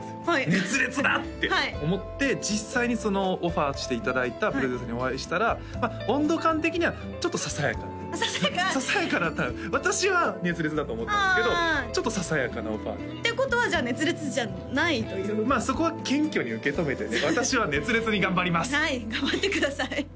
熱烈だ！って思って実際にそのオファーしていただいたプロデューサーにお会いしたらまあ温度感的にはちょっとささやかなささやかささやかだった私は熱烈だと思ったんですけどちょっとささやかなオファーだったってことはじゃあ熱烈じゃないというまあそこは謙虚に受け止めてね